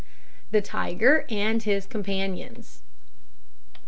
THE TIGER AND HIS COMPANIONS.